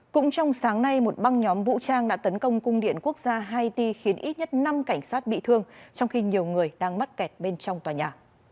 cũng trong sáng nay một băng nhóm vũ trang đã tấn công cung điện quốc gia haiti khiến ít nhất năm cảnh sát bị thương trong khi nhiều người đang mắc kẹt bên trong tòa nhà